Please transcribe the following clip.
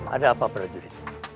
ada apa prajurit